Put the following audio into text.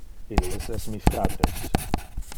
Illes es mi fratres.